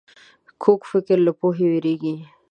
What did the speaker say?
کوږ فکر له پوهې وېرېږي